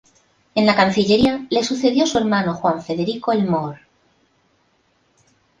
En la cancillería le sucedió su hermano Juan Federico Elmore.